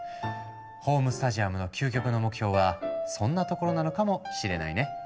ホームスタジアムの究極の目標はそんなところなのかもしれないね。